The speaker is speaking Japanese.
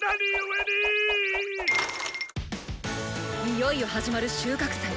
いよいよ始まる収穫祭。